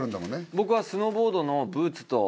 僕はスノーボードのブーツと。